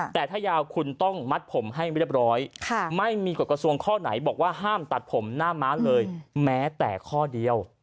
แต่ถ้ายาวคุณต้องมัดผมให้เรียบร้อยไม่มีกฎกระทรวงข้อไหนบอกว่าห้ามตัดผมหน้าม้าเลยแม้แต่ข้อเดียว